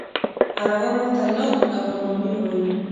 عربان ورته لق او غلامي وایي.